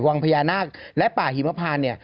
วังพญานาคและป่าหิมพานเนี่ย